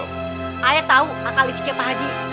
saya tahu akal liciknya pakcik